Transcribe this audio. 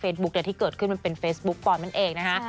เฟซบุ๊คเนี่ยที่เกิดขึ้นมันเป็นเฟซบุ๊คปอนด์มันเอกนะคะ